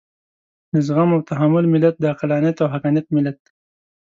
د زغم او تحمل ملت، د عقلانيت او حقانيت ملت.